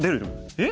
えっ？